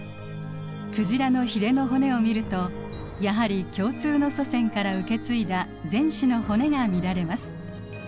クジラのヒレの骨を見るとやはり共通の祖先から受け継いだ前肢の骨が見られます。